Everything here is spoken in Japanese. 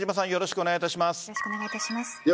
よろしくお願いします。